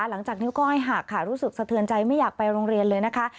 หลังจากนิ้วก้อยหักค่ะรู้สึกสะเทือนใจไม่อยากไปโรงเรียนเลยนะคะ